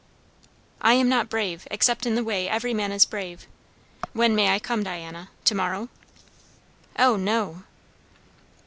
"I am not brave, except in the way every man is brave. When may I come, Diana? To morrow?" "O no!"